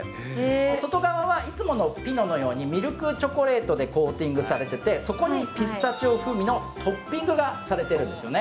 外側はいつものピノのようにミルクチョコレートでコーティングされてて、そこにピスタチオ風味のトッピングがされているんですよね。